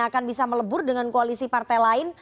akan bisa melebur dengan koalisi partai lain